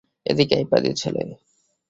এদিকে আয়, পাজি ছেলে।